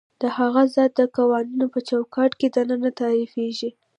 د هغه ذات د قوانینو په چوکاټ کې دننه تعریفېږي.